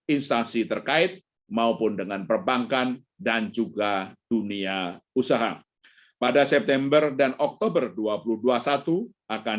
instansi terkait maupun dengan perbankan dan juga dunia usaha pada september dan oktober dua ribu dua puluh satu akan